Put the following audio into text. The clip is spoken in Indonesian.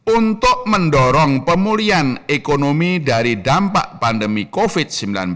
untuk mendorong pemulihan ekonomi dari dampak pandemi covid sembilan belas